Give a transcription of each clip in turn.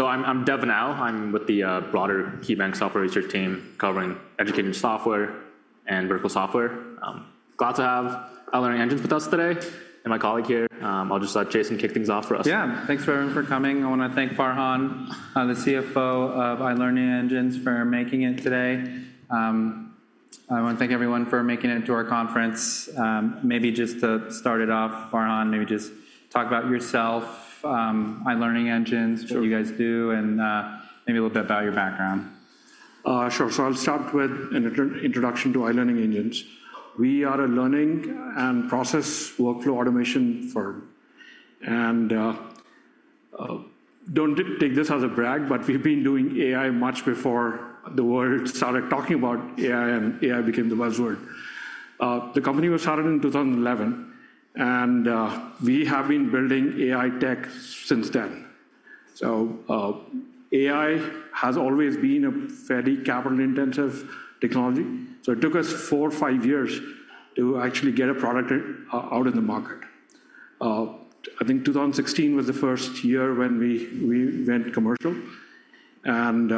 I'm Devin Au. I'm with the broader KeyBanc software research team, covering education software and vertical software. Glad to have iLearningEngines with us today, and my colleague here. I'll just let Jason kick things off for us. Yeah. Thanks, everyone, for coming. I want to thank Farhan, the CFO of iLearningEngines, for making it today. I want to thank everyone for making it to our conference. Maybe just to start it off, Farhan, maybe just talk about yourself, iLearningEngines- Sure. What you guys do, and, maybe a little bit about your background? Sure. So I'll start with an introduction to iLearningEngines. We are a learning and process workflow automation firm. And, don't take this as a brag, but we've been doing AI much before the world started talking about AI, and AI became the buzzword. The company was started in 2011, and, we have been building AI tech since then. So, AI has always been a fairly capital-intensive technology, so it took us four or five years to actually get a product, out in the market. I think 2016 was the first year when we went commercial, and,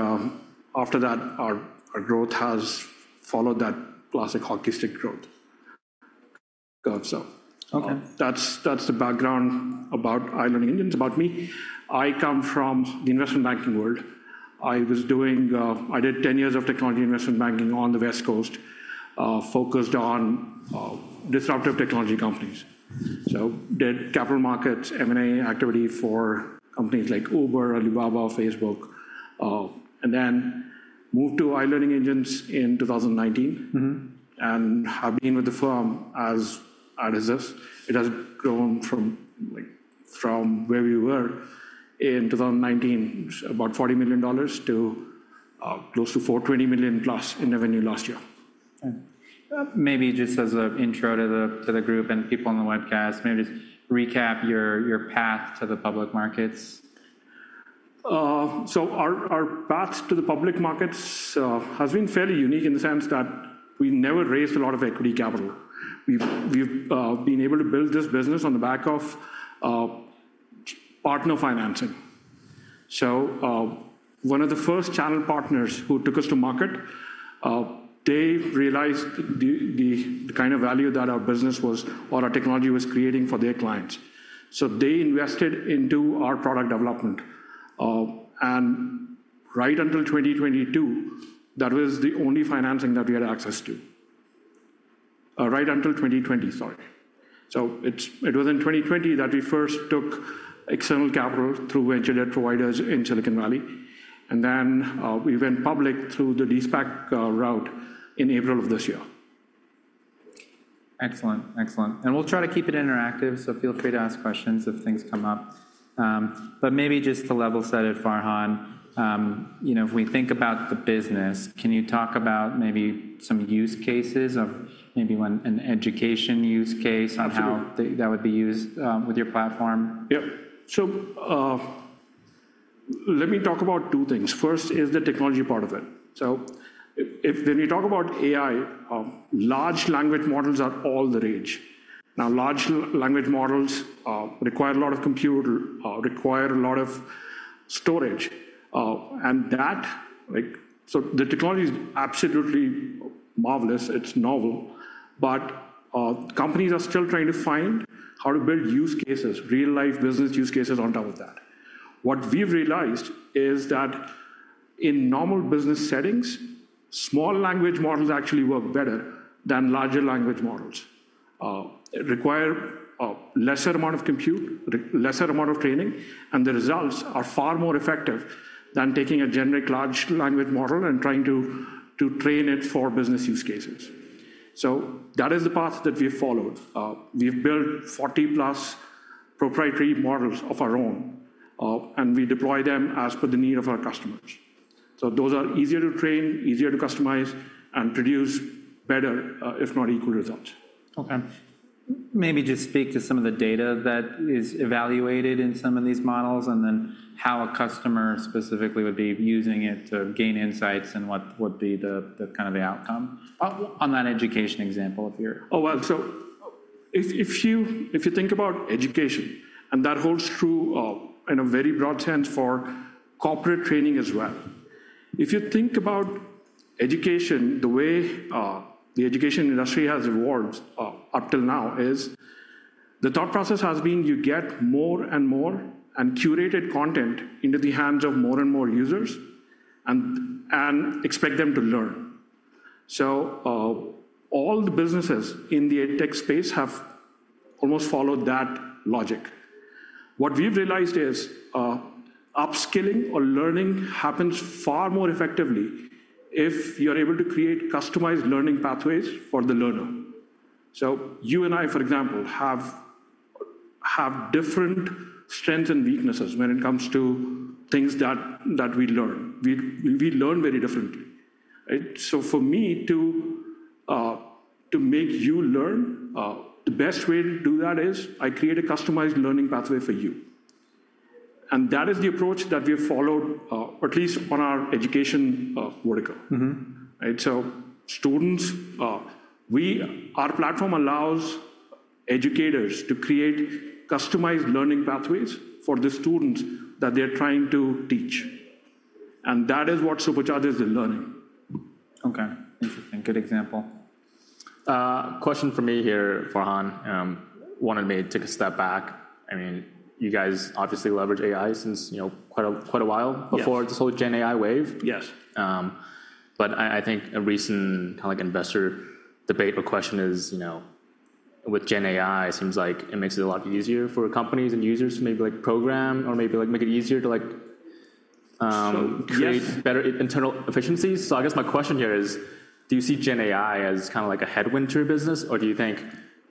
after that, our growth has followed that classic hockey stick growth. So- Okay. That's the background about iLearningEngines. About me, I come from the investment banking world. I did 10 years of technology investment banking on the West Coast, focused on disruptive technology companies. So did capital markets, M&A activity for companies like Uber, Alibaba, Facebook, and then moved to iLearningEngines in 2019. Mm-hmm. have been with the firm as it is. It has grown from, like, from where we were in 2019, about $40 million to close to $420 million-plus in revenue last year. Maybe just as an intro to the group and people on the webcast, maybe just recap your path to the public markets. So our path to the public markets has been fairly unique in the sense that we never raised a lot of equity capital. We've been able to build this business on the back of partner financing. So one of the first channel partners who took us to market, they realized the kind of value that our business was or our technology was creating for their clients. So they invested into our product development. And right until 2022, that was the only financing that we had access to. Right until 2020, sorry. So it was in 2020 that we first took external capital through venture debt providers in Silicon Valley, and then we went public through the De-SPAC route in April of this year. Excellent. Excellent. And we'll try to keep it interactive, so feel free to ask questions if things come up. But maybe just to level set it, Farhan, you know, if we think about the business, can you talk about maybe some use cases of maybe when an education use case- Absolutely. -and how that would be used with your platform? Yep. So, let me talk about two things. First is the technology part of it. So if when you talk about AI, large language models are all the rage. Now, large language models require a lot of compute, require a lot of storage, and that, like... So the technology is absolutely marvelous, it's novel, but companies are still trying to find how to build use cases, real-life business use cases on top of that. What we've realized is that in normal business settings, small language models actually work better than larger language models. Require a lesser amount of compute, lesser amount of training, and the results are far more effective than taking a generic large language model and trying to train it for business use cases. So that is the path that we've followed. We've built 40-plus proprietary models of our own, and we deploy them as per the need of our customers. So those are easier to train, easier to customize, and produce better, if not equal, results. Okay. Maybe just speak to some of the data that is evaluated in some of these models, and then how a customer specifically would be using it to gain insights and what would be the kind of outcome on that education example, if you're- Well, so if you think about education, and that holds true in a very broad sense for corporate training as well. If you think about education, the way the education industry has evolved up till now is the thought process has been you get more and more, and curated content into the hands of more and more users, and expect them to learn. So all the businesses in the edtech space have almost followed that logic. What we've realized is upskilling or learning happens far more effectively if you're able to create customized learning pathways for the learner. So you and I, for example, have different strengths and weaknesses when it comes to things that we learn. We learn very differently, right? So for me to make you learn, the best way to do that is I create a customized learning pathway for you. And that is the approach that we've followed, at least on our education vertical. Mm-hmm. Right? So students, our platform allows educators to create customized learning pathways for the students that they're trying to teach, and that is what supercharges the learning. Okay, interesting. Good example. Question for me here, Farhan. Wanted me to take a step back. I mean, you guys obviously leverage AI since, you know, quite a, quite a while- Yes. -before this whole GenAI wave. Yes. But I think a recent, like, investor debate or question is, you know, with GenAI, it seems like it makes it a lot easier for companies and users to maybe, like, program or maybe, like, make it easier to, like... So, yes- create better internal efficiencies. I guess my question here is: do you see GenAI as kinda like a headwind to your business,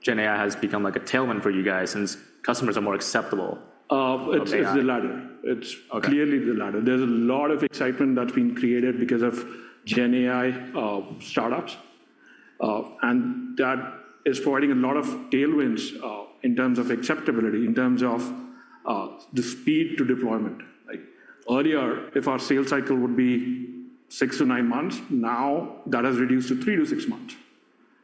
or do you think GenAI has become, like, a tailwind for you guys since customers are more acceptable of AI? It's the latter. Okay. It's clearly the latter. There's a lot of excitement that's been created because of GenAI, startups, and that is providing a lot of tailwinds, in terms of acceptability, in terms of, the speed to deployment. Like, earlier, if our sales cycle would be 6-9 months, now that has reduced to 3-6 months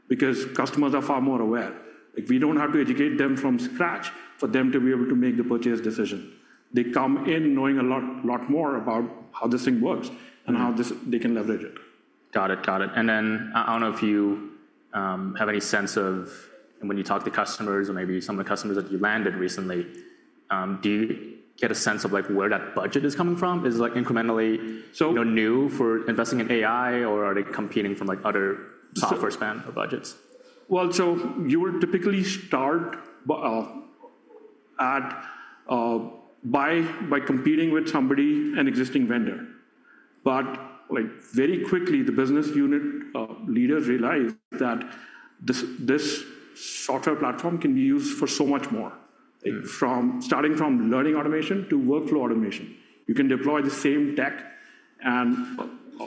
because customers are far more aware. Like, we don't have to educate them from scratch for them to be able to make the purchase decision. They come in knowing a lot, lot more about how this thing works- Mm. and how this, they can leverage it. Got it, got it. And then, I don't know if you have any sense of when you talk to customers or maybe some of the customers that you landed recently, do you get a sense of, like, where that budget is coming from? Is it, like, incrementally- So- you know, new for investing in AI, or are they competing from, like, other- So- Software spend or budgets? Well, so you would typically start by competing with somebody, an existing vendor. But, like, very quickly, the business unit leaders realized that this software platform can be used for so much more. Mm. Starting from learning automation to workflow automation. You can deploy the same tech and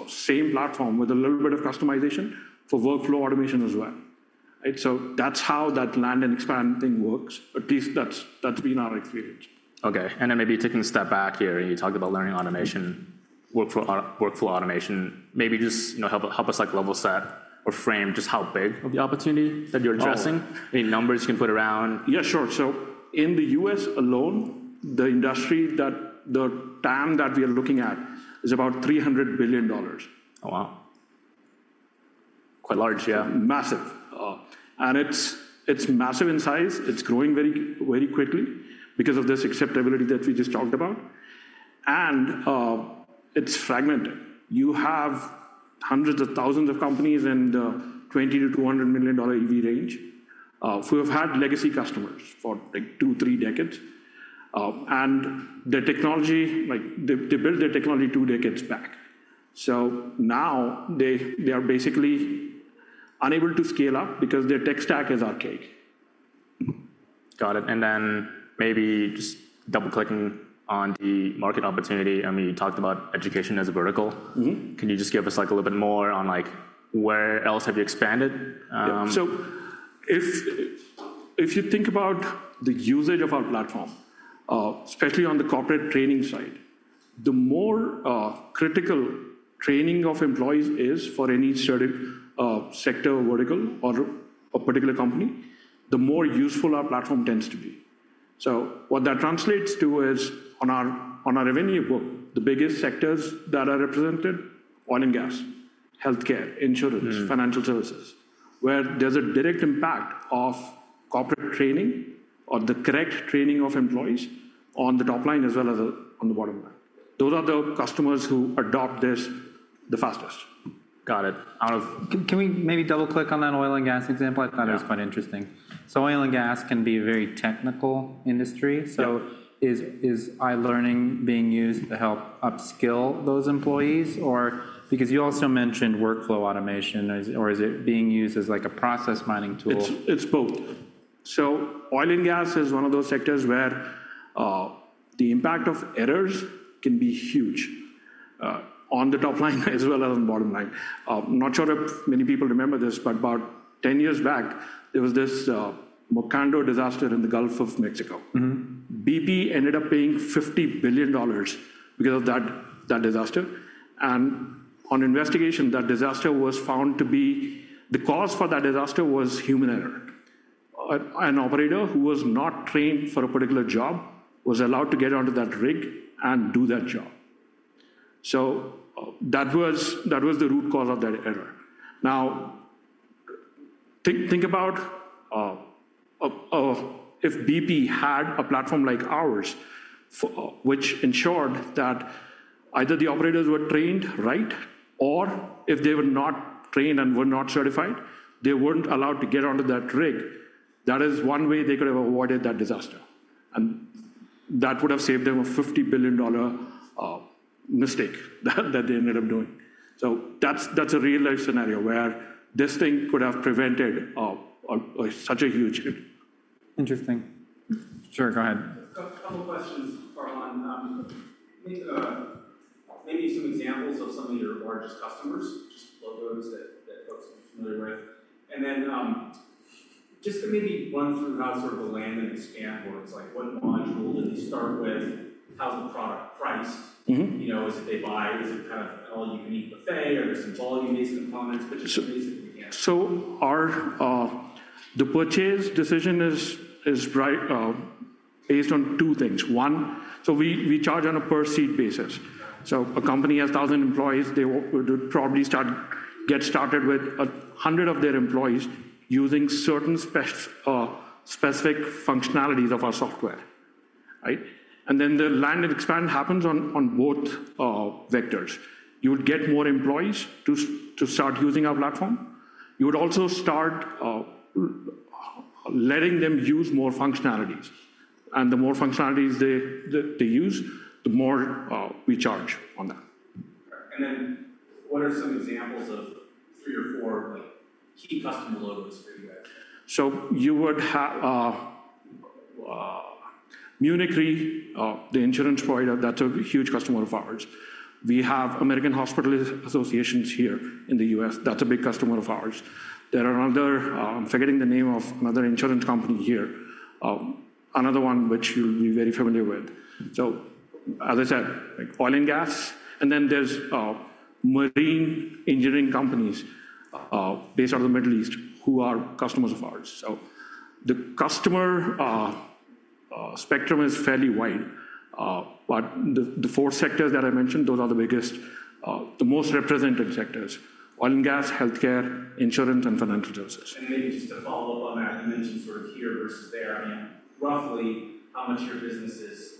same platform with a little bit of customization for workflow automation as well. Right? So that's how that land and expand thing works. At least that's, that's been our experience. Okay, and then maybe taking a step back here, you talked about learning automation, workflow automation. Maybe just, you know, help, help us, like, level set or frame just how big of the opportunity that you're addressing. Oh. Any numbers you can put around? Yeah, sure. In the U.S. alone, the TAM that we are looking at is about $300 billion. Oh, wow! Quite large, yeah. Massive. And it's, it's massive in size. It's growing very, very quickly because of this acceptability that we just talked about, and it's fragmented. You have hundreds of thousands of companies in the $20-$200 million EV range, who have had legacy customers for, like, two, three decades. And their technology, like, they, they built their technology two decades back. So now they, they are basically unable to scale up because their tech stack is archaic. Got it, and then maybe just double-clicking on the market opportunity. I mean, you talked about education as a vertical. Mm-hmm. Can you just give us, like, a little bit more on, like, where else have you expanded? Yeah. So if, if you think about the usage of our platform, especially on the corporate training side, the more critical training of employees is for any certain sector or vertical or a particular company, the more useful our platform tends to be. So what that translates to is, on our, on our revenue book, the biggest sectors that are represented: oil and gas, healthcare, insurance- Mm. -financial services, where there's a direct impact of corporate training or the correct training of employees on the top line as well as on the bottom line. Those are the customers who adopt this the fastest. Got it. Out of- Can we maybe double-click on that oil and gas example? Yeah. I thought it was quite interesting. Oil and gas can be a very technical industry. Yep. So is iLearning being used to help upskill those employees? Or because you also mentioned workflow automation, is it being used as, like, a process mining tool? It's, it's both. So oil and gas is one of those sectors where, the impact of errors can be huge, on the top line as well as on the bottom line. I'm not sure if many people remember this, but about 10 years back, there was this, Macondo disaster in the Gulf of Mexico. Mm-hmm. BP ended up paying $50 billion because of that, that disaster, and on investigation, that disaster was found to be-- the cause for that disaster was human error. An operator who was not trained for a particular job was allowed to get onto that rig and do that job. So, that was, that was the root cause of that error. Now, think about, if BP had a platform like ours, which ensured that either the operators were trained right, or if they were not trained and were not certified, they weren't allowed to get onto that rig. That is one way they could have avoided that disaster, and that would have saved them a $50 billion mistake that, that they ended up doing. That's, that's a real-life scenario where this thing could have prevented such a huge impact. Interesting. Sure. Go ahead. A couple questions, Farhan. Maybe some examples of some of your largest customers, just logos that, that folks are familiar with. And then, just to maybe run through how sort of like and expand, or it's like, what module do they start with? How's the product priced? Mm-hmm. You know, is it they buy? Is it kind of all-you-can-eat buffet, or there's some volume-based components, but just basically, yeah. So, our purchase decision is right, based on two things. One, so we charge on a per-seat basis. Yeah. So a company has 1,000 employees, they would probably start getting started with 100 of their employees using certain specific functionalities of our software, right? And then the land and expand happens on both vectors. You would get more employees to start using our platform. You would also start letting them use more functionalities. And the more functionalities they that they use, the more we charge on that. What are some examples of three or four, like, key customer logos for you guys? So you would have Munich Re, the insurance provider, that's a huge customer of ours. We have American Hospital Association here in the US, that's a big customer of ours. There are another, I'm forgetting the name of another insurance company here, another one which you'll be very familiar with. So as I said, like oil and gas, and then there's marine engineering companies based out of the Middle East, who are customers of ours. So the customer spectrum is fairly wide, but the four sectors that I mentioned, those are the biggest, the most represented sectors: oil and gas, healthcare, insurance, and financial services. Maybe just to follow up on that, you mentioned sort of here versus there. I mean, roughly, how much of your business is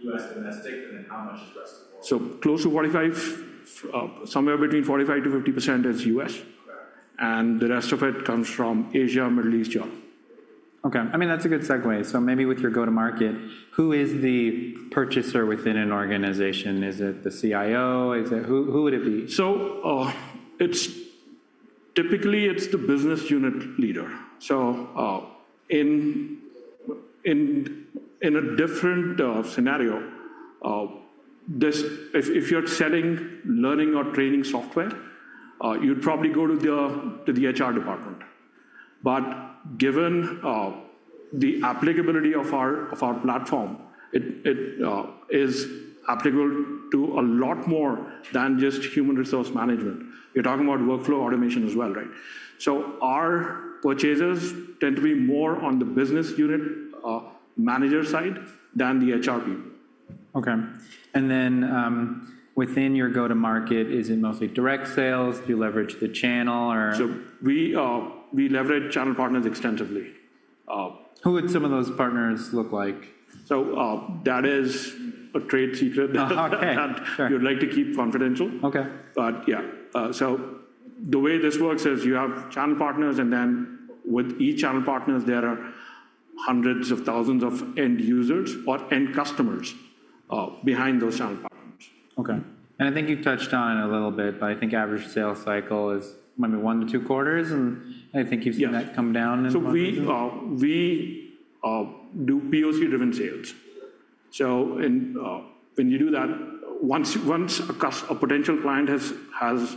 U.S. domestic, and then how much is the rest of the world? Close to 45%, somewhere between 45%-50% is US. Okay. The rest of it comes from Asia, Middle East, Europe. Okay, I mean, that's a good segue. So maybe with your go-to-market, who is the purchaser within an organization? Is it the CIO? Is it-- Who, who would it be? So, it's typically the business unit leader. So, in a different scenario, if you're selling learning or training software, you'd probably go to the HR department. But given the applicability of our platform, it is applicable to a lot more than just human resource management. You're talking about workflow automation as well, right? So our purchasers tend to be more on the business unit manager side than the HR people. Okay. And then, within your go-to-market, is it mostly direct sales? Do you leverage the channel or- We leverage channel partners extensively. Who would some of those partners look like? So, that is a trade secret. Okay. Sure... that we'd like to keep confidential. Okay. But yeah, so the way this works is you have channel partners, and then with each channel partners, there are hundreds of thousands of end users or end customers behind those channel partners. Okay. I think you touched on a little bit, but I think average sales cycle is maybe 1-2 quarters, and I think you've- Yes... seen that come down in the past years. So we do POC-driven sales. So in, when you do that, once a potential client has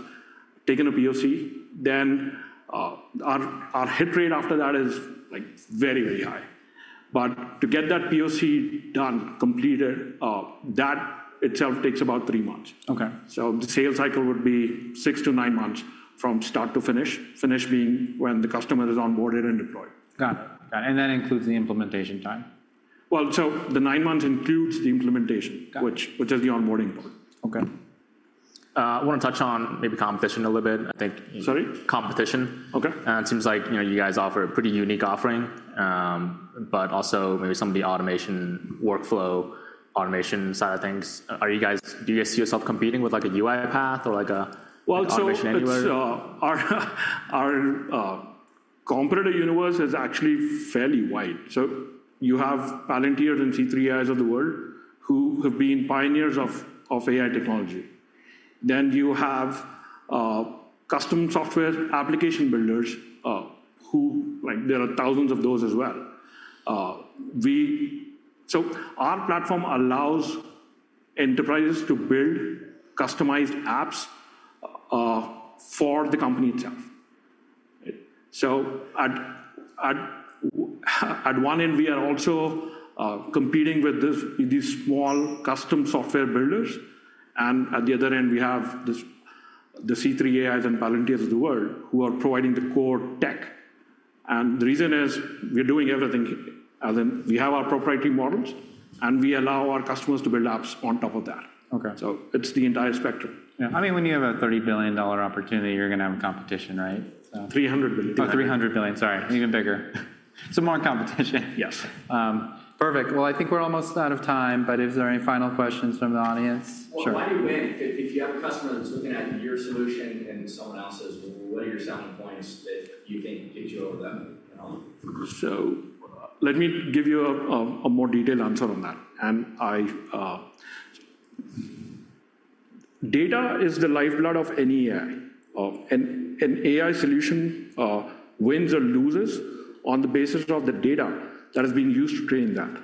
taken a POC, then our hit rate after that is, like, very, very high. But to get that POC done, completed, that itself takes about three months. Okay. The sales cycle would be 6-9 months from start to finish, finish being when the customer is onboarded and deployed. Got it. Got it. And that includes the implementation time? Well, so the nine months includes the implementation- Got it... which is the onboarding part. Okay. I want to touch on maybe competition a little bit. I think- Sorry? Competition. Okay. It seems like, you know, you guys offer a pretty unique offering, but also maybe some of the automation, workflow automation side of things. Are you guys-- Do you guys see yourself competing with, like, a UiPath or, like, a- Well, so- Automation Anywhere?... it's our competitor universe is actually fairly wide. So you have Palantir and C3 AI of the world who have been pioneers of AI technology. Then you have custom software application builders, who, like, there are thousands of those as well. So our platform allows enterprises to build customized apps for the company itself. So at one end, we are also competing with these small custom software builders, and at the other end, we have the C3 AI and Palantir of the world, who are providing the core tech. And the reason is, we're doing everything. Then we have our proprietary models, and we allow our customers to build apps on top of that. Okay. So it's the entire spectrum. Yeah. I mean, when you have a $30 billion opportunity, you're gonna have a competition, right? So- $300 billion. Oh, $300 billion, sorry, even bigger. So more competition. Yes. Perfect. Well, I think we're almost out of time, but is there any final questions from the audience? Sure. Well, why do you win? If you have a customer that's looking at your solution and someone else's, what are your selling points that you think gets you over them, you know? So let me give you a more detailed answer on that. Data is the lifeblood of any AI. AI solution wins or loses on the basis of the data that is being used to train that,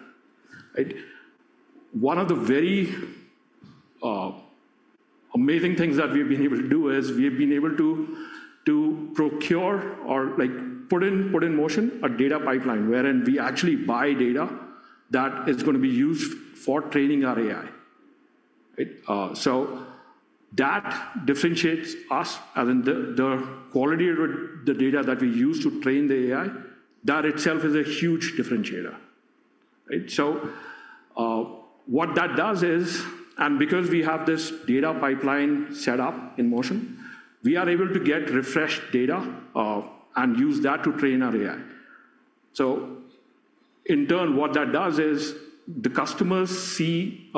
right? One of the very amazing things that we've been able to do is we've been able to procure or like put in motion a data pipeline, wherein we actually buy data that is gonna be used for training our AI. Right? So that differentiates us, as in the quality of the data that we use to train the AI, that itself is a huge differentiator. Right? So, what that does is, and because we have this data pipeline set up in motion, we are able to get refreshed data, and use that to train our AI. So in turn, what that does is the customers see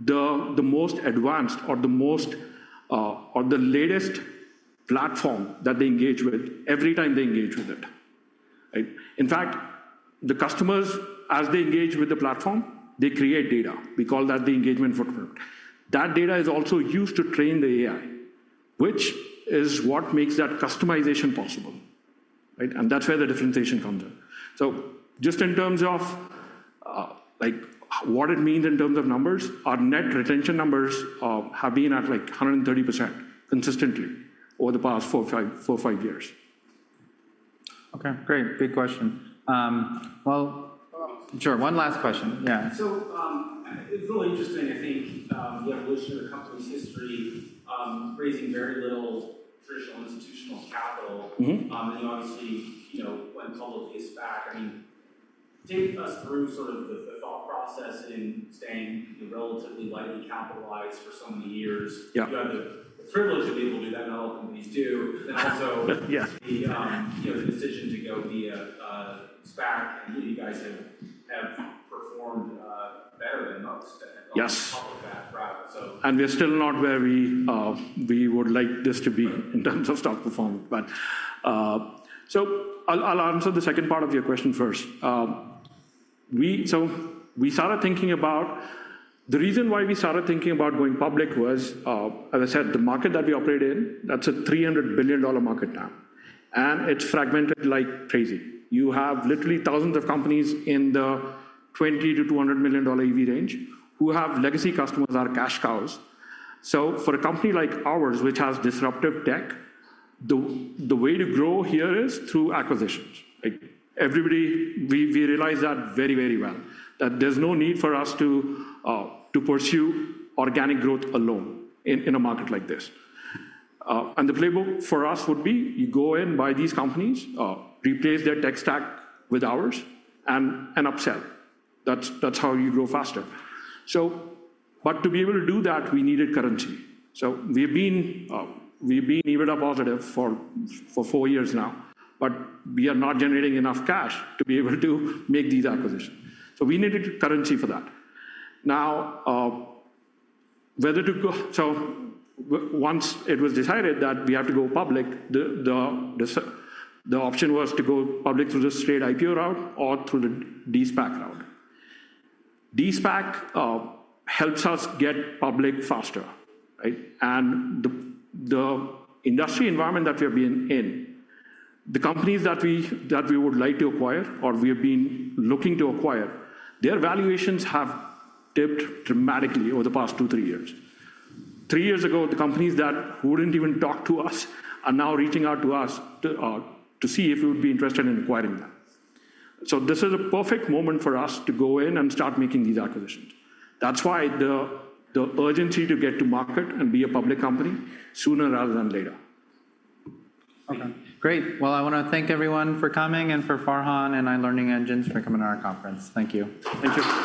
the most advanced or the latest platform that they engage with every time they engage with it. Right? In fact, the customers, as they engage with the platform, they create data. We call that the Engagement Footprint. That data is also used to train the AI, which is what makes that customization possible, right? And that's where the differentiation comes in. So just in terms of, like, what it means in terms of numbers, our net retention numbers have been at, like, 130% consistently over the past four or five years. Okay, great. Big question. Well, sure, one last question. Yeah. It's really interesting, I think, the evolution of the company's history, raising very little traditional institutional capital. Mm-hmm. Obviously, you know, went publicly as SPAC. I mean, take us through sort of the thought process in staying relatively lightly capitalized for so many years. Yeah. You have the privilege of being able to do that, not all companies do. Yeah. Also, you know, the decision to go via SPAC, and you guys have performed better than most- Yes and all of that, right? So And we're still not where we would like this to be in terms of stock performance. But, so I'll answer the second part of your question first. So we started thinking about... The reason why we started thinking about going public was, as I said, the market that we operate in, that's a $300 billion market now, and it's fragmented like crazy. You have literally thousands of companies in the $20 million-$200 million EV range who have legacy customers that are cash cows. So for a company like ours, which has disruptive tech, the way to grow here is through acquisitions. Like, everybody, we realize that very, very well, that there's no need for us to pursue organic growth alone in a market like this. And the playbook for us would be, you go in, buy these companies, replace their tech stack with ours, and upsell. That's how you grow faster. So, but to be able to do that, we needed currency. So we've been EBITDA positive for four years now, but we are not generating enough cash to be able to make these acquisitions. So we needed currency for that. Now, once it was decided that we have to go public, the option was to go public through the straight IPO route or through the De-SPAC route. De-SPAC helps us get public faster, right? And the industry environment that we have been in, the companies that we would like to acquire or we have been looking to acquire, their valuations have dipped dramatically over the past 2-3 years. Three years ago, the companies that wouldn't even talk to us are now reaching out to us to see if we would be interested in acquiring them. So this is a perfect moment for us to go in and start making these acquisitions. That's why the urgency to get to market and be a public company sooner rather than later. Okay, great. Well, I wanna thank everyone for coming, and for Farhan and iLearningEngines for coming to our conference. Thank you. Thank you, Farhan.